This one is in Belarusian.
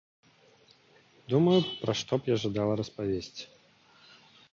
Думаю, пра што б я жадала распавесці.